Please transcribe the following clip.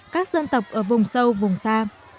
các dân tộc ở vùng sâu vùng xa